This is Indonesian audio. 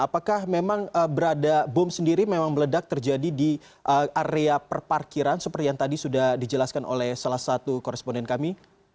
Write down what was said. apakah memang berada bom sendiri memang meledak terjadi di area perparkiran seperti yang tadi sudah dijelaskan oleh salah satu koresponden kami